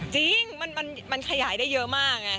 จริงมันขยายได้เยอะมากไง